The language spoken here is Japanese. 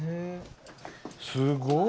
すごい。